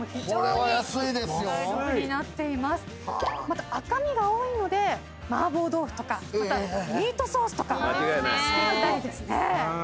また赤身が多いのでマーボー豆腐とかミートソースとか。